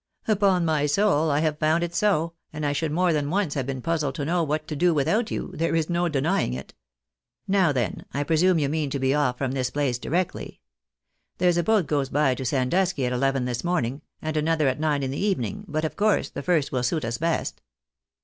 " Upon my soul ! I have found it so, and I should more than once have been puzzled to know what to do without you, there is no denying it. Now, then, I presume you mean to be off from this place directly. There's a boat goes by to Sandusky at eleven this morning, and another at nine in the evening, but, of course, the first will suit us best."